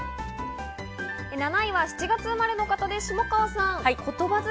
７位は７月生まれの方です、下川さん。